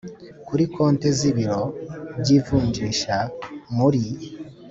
Kuri konti z ibiro by ivunjisha muri